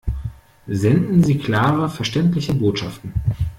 Senden Sie klare, verständliche Botschaften!